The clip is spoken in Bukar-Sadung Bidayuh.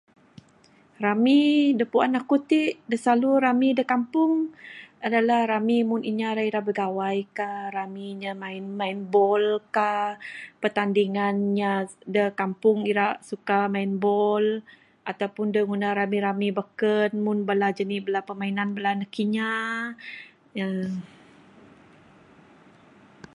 Rami da puan aku ti da silalu rami da kampung adalah rami meng inya da ira bigawai ka rami inya main main bol ka...pertandingan inya da kampung ira suka main bol ataupun da ngunah rami rami beken meng bala janik bala permainan bala anak inya uhh .